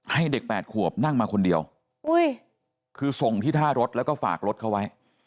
ให้เด็ก๘ขวบนั่งมาคนเดียวคือส่งที่ท่ารถแล้วก็ฝากรถเขาไว้